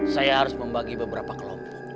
saya harus membagi beberapa kelompok